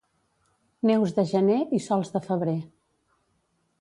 Neus de gener i sols de febrer.